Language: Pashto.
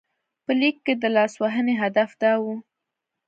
په لیک کې د لاسوهنې هدف دا و.